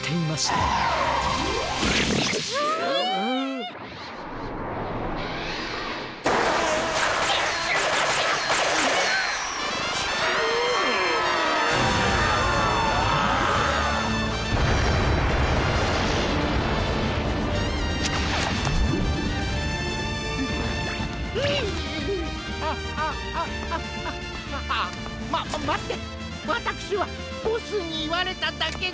わたくしはボスにいわれただけで。